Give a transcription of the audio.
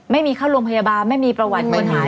ไม่มีเข้าโรงพยาบาลไม่มีประวัติคนหาย